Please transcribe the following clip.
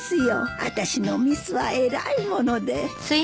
あたしのミスはえらいもので。